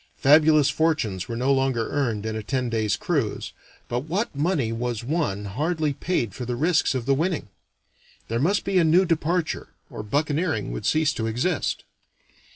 Fabulous fortunes were no longer earned in a ten days' cruise, but what money was won hardly paid for the risks of the winning. There must be a new departure, or buccaneering would cease to exist.